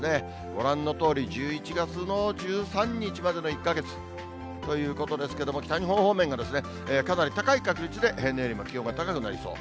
ご覧のとおり、１１月の１３日までの１か月ということですけども、北日本方面がかなり高い確率で平年よりも気温が高くなりそう。